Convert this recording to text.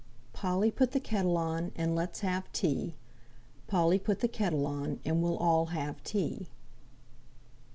Polly, put the kettle on, And let's have tea! Polly, put the kettle on, And we'll all have tea.